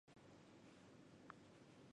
长冠鼠尾草为唇形科鼠尾草属的植物。